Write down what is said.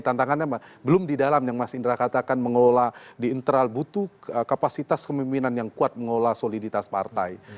tantangannya belum di dalam yang mas indra katakan mengelola di internal butuh kapasitas kemimpinan yang kuat mengelola soliditas partai